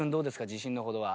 自信のほどは。